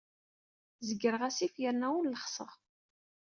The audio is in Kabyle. Zegreɣ asif yerna ur lexṣeɣ.